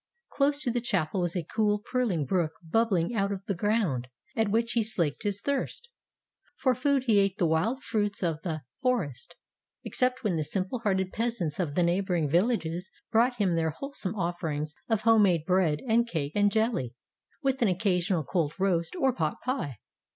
Close to the chapel was a cool, purling brook bub bling out of the ground, at which he slaked his thirst. For food he ate the' wild fruits of the 1 13 1 14 Tales of Modern Germany forest, except when the simple hearted peas ants of the neighboring villages brought him their wholesome offerings of home made bread and cake and jelly, with an occasional cold roast or pot pie.